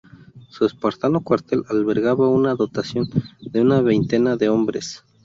Su espartano cuartel albergaba una dotación de una veintena de hombres.